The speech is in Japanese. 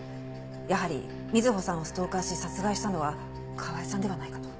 やはり瑞穂さんをストーカーし殺害したのは川井さんではないかと。